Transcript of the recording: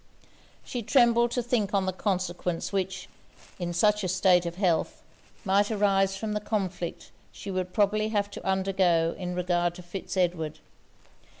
She trembled to think on the consequence which, in such a state of health, might arise from the conflict she would probably have to undergo in regard to Fitz Edward.